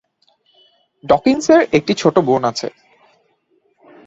Dawkins এর একটি ছোট বোন আছে।